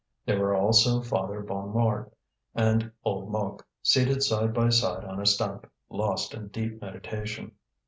There were also Father Bonnemort and old Mouque, seated side by side on a stump, lost in deep meditation.